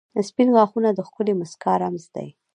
• سپین غاښونه د ښکلې مسکا رمز دی.